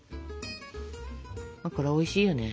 これはおいしいよね。